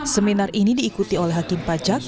seminar ini diikuti oleh hakim pajak